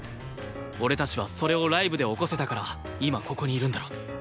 俺たちはそれをライブで起こせたから今ここにいるんだろ。